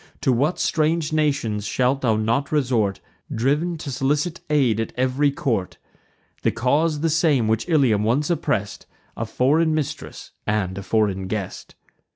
To what strange nations shalt not thou resort, Driv'n to solicit aid at ev'ry court! The cause the same which Ilium once oppress'd; A foreign mistress, and a foreign guest.